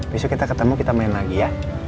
besok kita ketemu kita main lagi ya